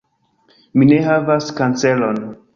Mi ne havas kanceron.